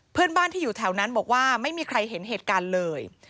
เพื่อนบ้านที่อยู่แถวนั้นบอกว่าไม่มีใครเห็นเหตุการณ์เลย